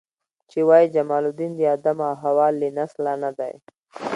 چې وایي جمال الدین د آدم او حوا له نسله نه دی.